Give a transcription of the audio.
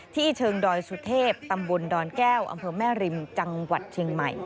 เชิงดอยสุเทพตำบลดอนแก้วอำเภอแม่ริมจังหวัดเชียงใหม่